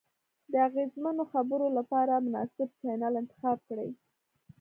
د اغیزمنو خبرو لپاره مناسب چینل انتخاب کړئ.